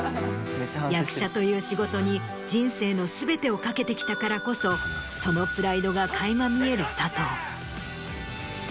役者という仕事に人生の全てを懸けてきたからこそそのプライドが垣間見える佐藤。